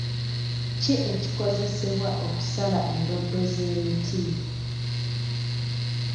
Ki ekikozesebwa okusala endoddo z'emiti?